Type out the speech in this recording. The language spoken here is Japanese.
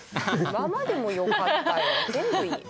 今までもよかったよ。